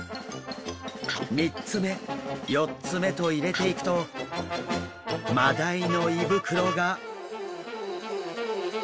３つ目４つ目と入れていくとマダイの胃袋が。